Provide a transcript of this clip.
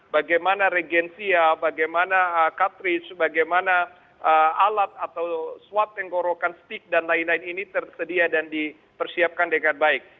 bagaimana regensia bagaimana catris bagaimana alat atau swab tenggorokan stick dan lain lain ini tersedia dan dipersiapkan dengan baik